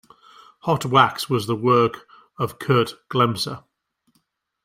Hot Wacks was the work of Kurt Glemser.